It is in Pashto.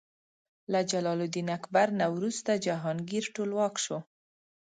له جلال الدین اکبر نه وروسته جهانګیر ټولواک شو.